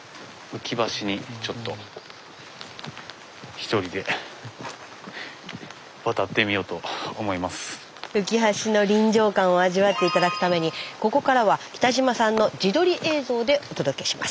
スタジオ浮橋の臨場感を味わって頂くためにここからは北島さんの自撮り映像でお届けします。